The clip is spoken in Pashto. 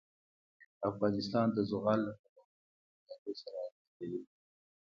افغانستان د زغال له پلوه له نورو هېوادونو سره اړیکې لري.